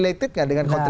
related dengan komersil